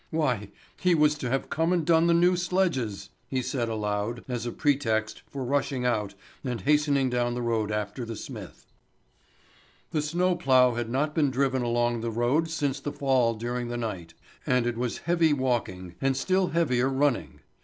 Why, he was to have come and done the new sledges!" he said aloud as a pretext for rushing out and hastening down the road after the smith. The snow plough had not been driven along the road since the fall during the night, and it was heavy walking and still heavier running.